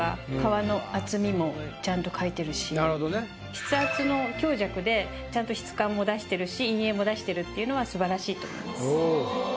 筆圧の強弱でちゃんと質感を出してるし陰影も出してるっていうのはすばらしいと思います。